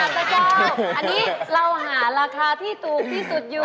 อันนี้เราหาราคาที่สุดที่สุดอยู่